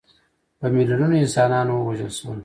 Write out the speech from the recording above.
په میلیونونو انسانان ووژل شول.